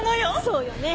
そうよね。